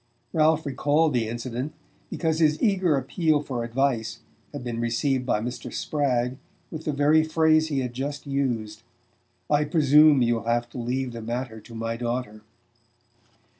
Ralph recalled the incident because his eager appeal for advice had been received by Mr. Spragg with the very phrase he had just used: "I presume you'll have to leave the matter to my daughter."